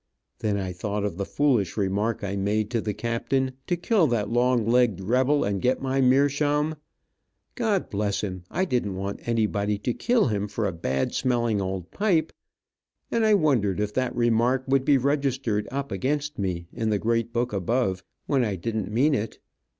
Then I thought of the foolish remark I made to the captain, to kill that long legged rebel and get my meershaum. God bless him, I didn't want anybody to kill him for a bad smelling old pipe, and I wondered if that remark would be registered up against me, in the great book above, when I didn't mean it.